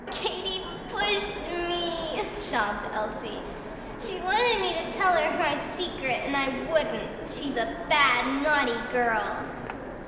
"Katy pushed me," sobbed Elsie. "She wanted me to tell her my secret, and I wouldn't. She's a bad, naughty girl!"